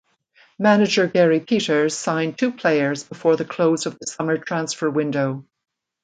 Manager Gary Peters signed two players before the close of the summer transfer window.